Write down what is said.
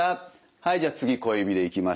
はいじゃあ次小指でいきましょう。